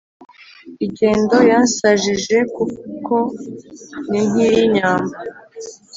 Igendo yansajije kuko nink’iyi inyambo